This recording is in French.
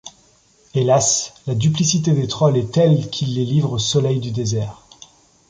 Hélas, la duplicité des Trolls est telle qu'ils les livrent au soleil du désert.